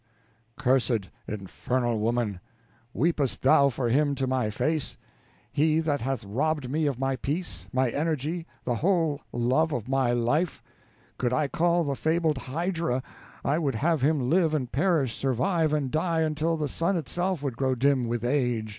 Cursed, infernal woman! Weepest thou for him to my face? He that hath robbed me of my peace, my energy, the whole love of my life? Could I call the fabled Hydra, I would have him live and perish, survive and die, until the sun itself would grow dim with age.